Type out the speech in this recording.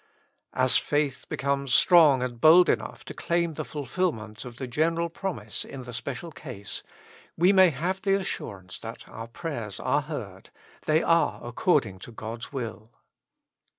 As faith becomes strong and bold enough to claim the fulfilment of the general promise in the special case, we may have the assur ance that our prayers are heard: they are according to God's will.